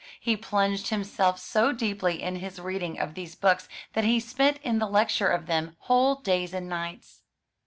He plunged himself so deeply in his reading of these books that he spent in the lecture of them whole days and nights.